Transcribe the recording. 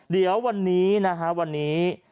เดี๋ยววันนี้นะฮะวันนี้